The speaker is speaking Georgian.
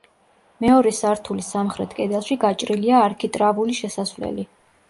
მეორე სართულის სამხრეთ კედელში გაჭრილია არქიტრავული შესასვლელი.